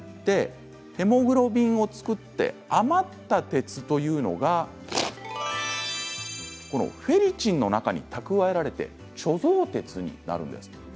ヘモグロビンを作って余った鉄というのがこのフェリチンの中に蓄えられて貯蔵鉄になるんです。